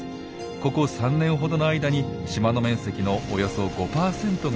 ここ３年ほどの間に島の面積のおよそ５％が火災に見舞われたんです。